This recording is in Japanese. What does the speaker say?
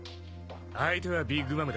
相手はビッグ・マムだ。